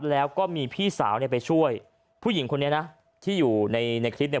แล้วก็มีพี่สาวไปช่วยผู้หญิงคนนี้นะที่อยู่ในคลิปเนี่ย